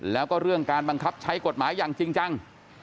แล้วก็เรื่องการบังคับใช้กฎหมายอย่างจริงจัง